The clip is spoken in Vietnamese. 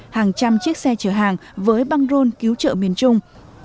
hàng trăm chiếc xe chở hàng với băng rôn cứu trợ miền trung